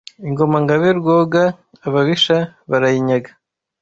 Ingoma –Ngabe Rwoga ababisha barayinyaga